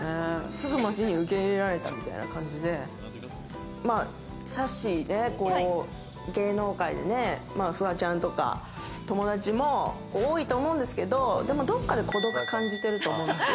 すぐ街に受け入れられたみたいな感じでさっしーね、芸能界でね、フワちゃんとか友達も多いと思うんですけれど、でもどっかで孤独感じてると思うんですよ。